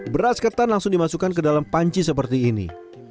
beras ketan langsung dimasukkan ke dalam panci seperti ini